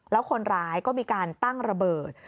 แล้วคนร้ายก็มีการตั้งระเบิด